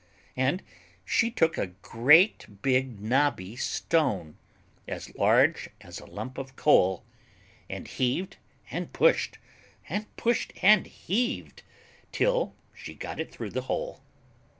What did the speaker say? And she took a great big knobby stone, As large as a lump of coal, And heaved and pushed, and pushed and heaved, 'Till she got it through the hole.